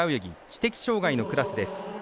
知的障がいのクラスです。